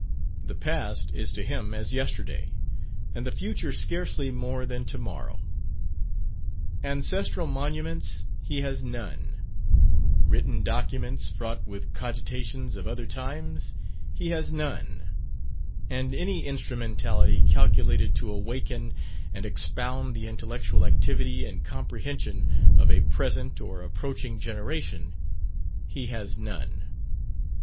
The past is to him as yesterday, and the future scarcely more than to morrow. Ancestral monuments, he has none; written documents fraught with cogitations of other times, he has none; and any instrumentality calculated to awaken and expound the intellectual activity and comprehension of a present or approaching generation, he has none.